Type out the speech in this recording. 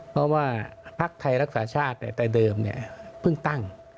เพราะว่าภักดิ์ไทยรักษาชาติแต่เดิมเพิ่งตั้ง